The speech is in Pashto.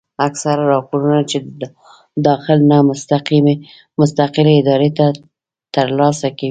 اکثره راپورنه چې د داخل نه مستقلې ادارې تر لاسه کوي